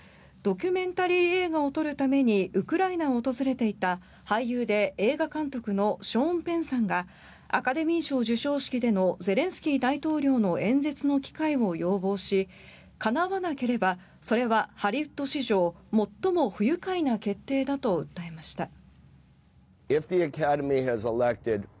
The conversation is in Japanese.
ドキュメンタリー映画を撮るためにウクライナを訪れていた俳優で映画監督のショーン・ペンさんがアカデミー賞授賞式でのゼレンスキー大統領の演説の機会を要望しかなわなければそれはハリウッド史上最も不愉快な決定だと訴えました。